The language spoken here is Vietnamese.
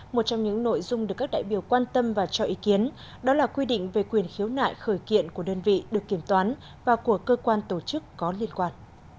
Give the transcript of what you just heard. một trong những nội dung được các đại biểu quan tâm và cho ý kiến đó là quy định về quyền khiếu nại khởi kiện của đơn vị được kiểm toán và của cơ quan tổ chức có liên quan